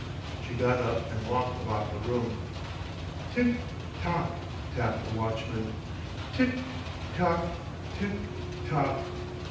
She got up and walked about the room. "Tick tock," tapped the watchman. "Tick tock, tick tock.